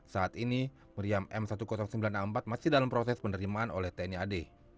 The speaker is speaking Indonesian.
saat ini meriam m seribu sembilan ratus empat masih dalam proses penerimaan oleh tni ad